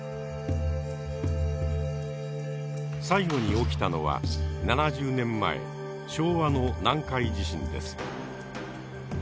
最後に起きたのは７０年前昭和の南海地震です。